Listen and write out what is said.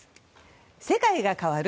世界が変わる！？